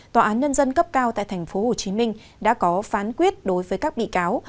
tòa án nhân dân cấp cao tại tp hcm đã có phán quyết đối với các bị cáo